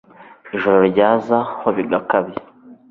ijoro ryaza ho bigakabya